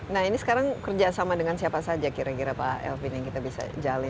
nah ini sekarang kerjasama dengan siapa saja kira kira pak elvin yang kita bisa jalin